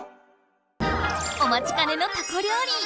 おまちかねのタコ料理！